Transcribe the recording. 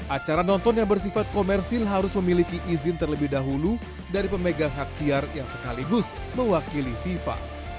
acara nonton yang bersifat komersil harus memiliki izin terlebih dahulu dari pemegang hak siar yang sekaligus mewakili fifa